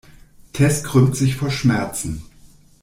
Tess krümmt sich vor Schmerzen.